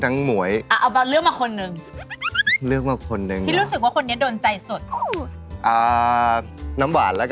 อ่าอีกก็ต้องเป็นตัวสงส์หยุดมันซักชีวิต